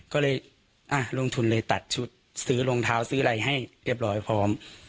ก็เลยลงทุนเลยตัดชุดซื้อรองเท้าซื้ออะไรให้เรียบร้อยพร้อม